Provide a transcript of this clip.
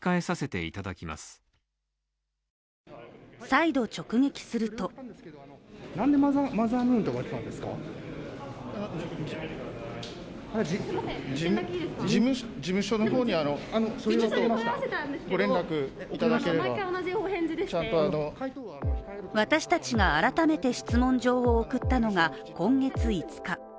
再度、直撃すると私たちが改めて質問状を送ったのが今月５日。